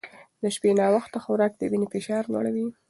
د شپې ناوخته خوراک د وینې فشار لوړوي.